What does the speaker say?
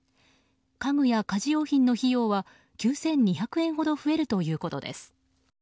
家具や家事用品の費用は９２００円ほど増えるということです。